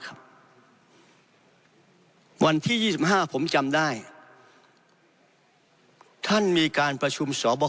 ครับวันที่ยี่สิบห้าผมจำได้ท่านมีการประชุมสบคอ